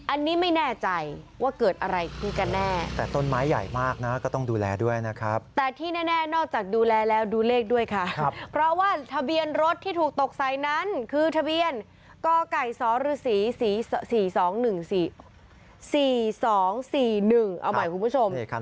อันนี้ไม่แน่ใจว่าเกิดอะไรขึ้นกันแน่แต่ต้นไม้ใหญ่มากนะก็ต้องดูแลด้วยนะครับแต่ที่แน่นอกจากดูแลแล้วดูเลขด้วยค่ะเพราะว่าทะเบียนรถที่ถูกตกใส่นั้นคือทะเบียนกไก่สรใหม่คุณผู้ชม